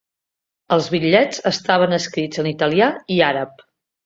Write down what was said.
Els bitllets estaven escrits en italià i àrab.